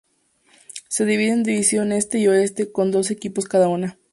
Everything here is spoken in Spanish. Se divide en división este y oeste, con doce equipos cada una.